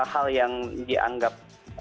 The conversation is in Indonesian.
hal yang dianggap